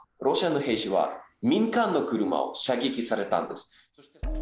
ロシアの兵士は民間の車を射撃されたんです。